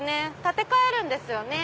建て替えるんですよね。